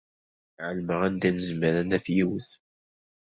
Ɛelmeɣ anda nezmer ad naf yiwet.